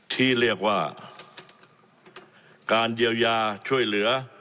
ที่เรียกว่าการเยียวยาช่วยเหลือ